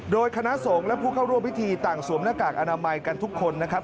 โดยคณะสงฆ์และผู้เข้าร่วมพิธีต่างสวมหน้ากากอนามัยกันทุกคนนะครับ